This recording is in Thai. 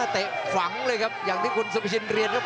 เตะฝังเลยครับอย่างที่คุณสุภาชินเรียนครับ